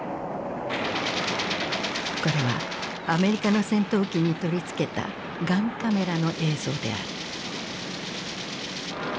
これはアメリカの戦闘機に取り付けたガンカメラの映像である。